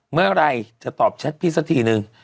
เมื่อไหร่จะตอบแชทพี่สักทีนึง